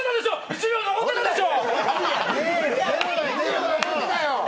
１秒残ってたでしょ！